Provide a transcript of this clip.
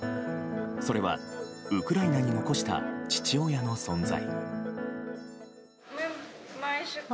それは、ウクライナに残した父親の存在。